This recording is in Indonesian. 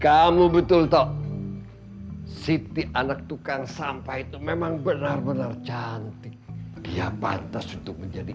kamu betul toh siti anak tukang sampah itu memang benar benar cantik dia pantas untuk menjadi